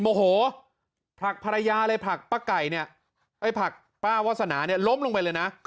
โมโหผลักภรรยาเลยผลักป้าวาสนาเนี่ยล้มลงไปเลยนะ